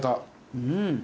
うん。